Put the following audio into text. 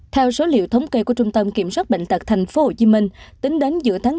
theo số liệu thống kê của trung tâm kiểm soát bệnh tật tp hcm tính đến giữa tháng bốn